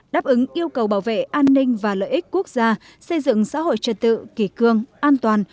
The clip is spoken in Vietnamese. đáp ứng yêu cầu bảo vệ an ninh và lợi ích quốc gia xây dựng xã hội trật tự kỳ cương an toàn